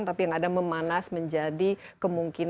tapi yang ada memanas menjadi kemungkinan